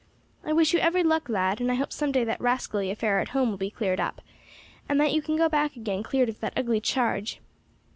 I wish you every luck, lad, and I hope some day that rascally affair at home will be cleared up, and that you can go back again cleared of that ugly charge.